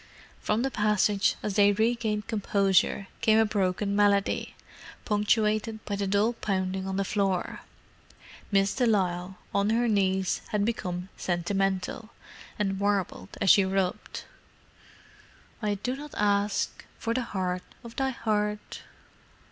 From the passage, as they regained composure, came a broken melody, punctuated by the dull pounding on the floor. Miss de Lisle, on her knees, had become sentimental, and warbled as she rubbed. _"'I do not ask for the heart of thy heart.